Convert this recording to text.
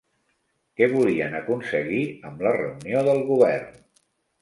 Què volien aconseguir amb la reunió del govern?